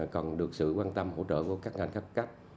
còn được sự quan tâm hỗ trợ của các ngành khách cấp